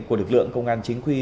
của lực lượng công an chính quy